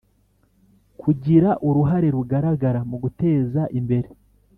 Kugira uruhare rugaragara mu guteza imbere